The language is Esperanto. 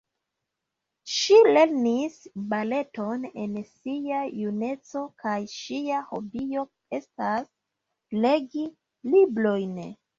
Ŝi lernis baleton en sia juneco kaj ŝia hobio estas legi librojn.